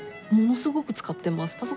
ものすごく使ってます。